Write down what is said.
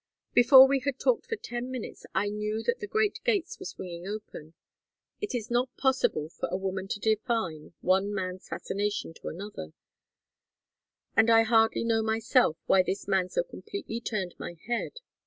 Before we had talked for ten minutes I knew that the great gates were swinging open. It is not possible for a woman to define one man's fascination to another, and I hardly know myself why this man so completely turned my head.